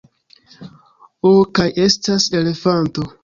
Oh kaj estas elefanto